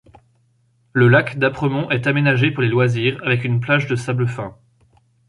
Le lac d'Apremont est aménagé pour les loisirs avec une plage de sable fin.